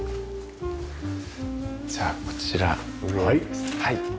じゃあこちら上です。